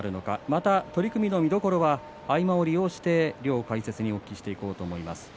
また、取組の見どころは合間を利用して両解説にお聞きしていこうと思います。